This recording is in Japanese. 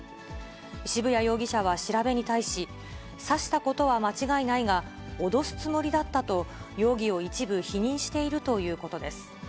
渋谷容疑者は調べに対し、刺したことは間違いないが、脅すつもりだったと、容疑を一部否認しているということです。